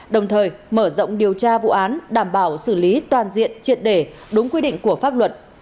đồng thời mở rộng điều tra vụ án đảm bảo xử lý toàn diện triệt để đúng quy định của pháp luật